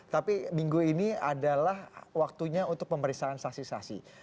tapi minggu ini adalah waktunya untuk pemeriksaan saksi saksi